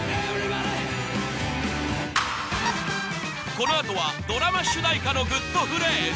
このあとはドラマ主題歌のグッとフレーズ